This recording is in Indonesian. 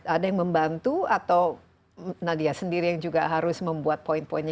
ada yang membantu atau nadia sendiri yang juga harus membuat poin poinnya